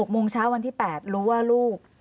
โมงเช้าวันที่๘รู้ว่าลูก